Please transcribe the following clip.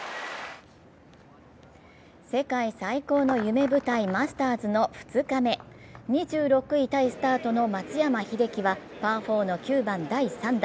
世界最高の夢舞台マスターズの２日目、２６位タイスタートの松山英樹はパー４の９番・第３打。